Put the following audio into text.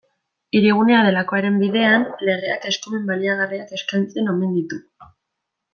Hirigunea delakoaren bidean, legeak eskumen baliagarriak eskaintzen omen ditu.